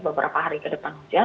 beberapa hari ke depan